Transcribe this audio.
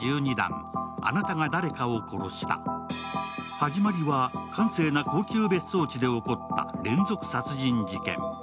始まりは閑静な高級別荘地で起こった連続殺人事件。